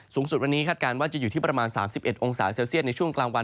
สูงสุดวันนี้คาดการณ์ว่าจะอยู่ที่ประมาณ๓๑องศาเซลเซียตในช่วงกลางวัน